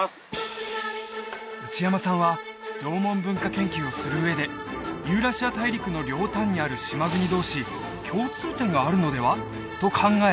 内山さんは縄文文化研究をする上でユーラシア大陸の両端にある島国同士共通点があるのでは？と考え